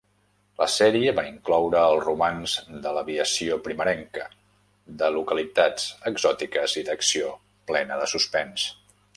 La sèrie va incloure el romanç de l'aviació primerenca, de localitats exòtiques i d'acció plena de suspens.